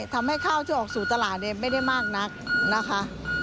ทำให้ข้าวที่ออกสู่ตลาดไม่ได้มากนักนะคะ